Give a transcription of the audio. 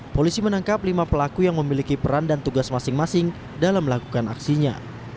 polisi menangkap lima pelaku yang memiliki peran dan tugas masing masing dalam melakukan aksinya